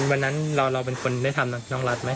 วันนั้นเราเป็นคนได้ทำน้องรัฐไหม